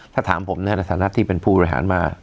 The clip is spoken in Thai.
ถ้าถามผมเนี่ยลักษณะที่เป็นผู้บริหารมา